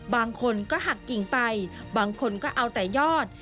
บางคนก็หักกิ่งไปบางคนก็เอาแต่ยอด